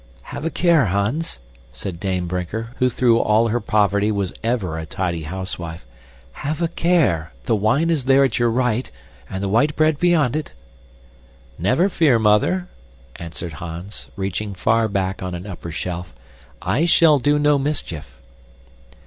"Have a care, Hans," said Dame Brinker, who through all her poverty was ever a tidy housewife. "Have a care, the wine is there at your right and the white bread beyond it." "Never fear, Mother," answered Hans, reaching far back on an upper shelf. "I shall do no mischief."